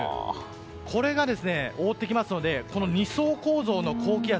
これが覆ってきますので２層構造の高気圧。